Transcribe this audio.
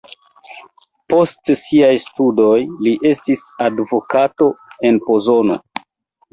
Post siaj studoj li estis advokato en Pozono.